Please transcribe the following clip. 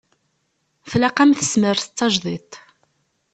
Tlaq-am tesmert d tajdidt.